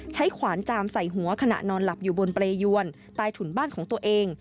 ขวานจามใส่หัวขณะนอนหลับอยู่บนเปรยวนใต้ถุนบ้านของตัวเอง